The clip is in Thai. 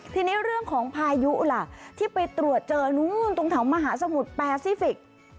ทีนี้เรื่องของพายุล่ะที่ไปตรวจเจอนู้นตรงแถวมหาสมุทรแปซิฟิกส์